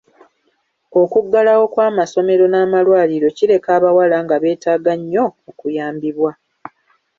Okuggalawo kw'amasomero n'amalwaliro kireka abawala nga beetaaga nnyo okuyambibwa.